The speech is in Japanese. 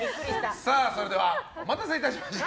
それではお待たせいたしました。